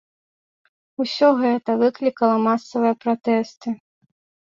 Усё гэта выклікала масавыя пратэсты.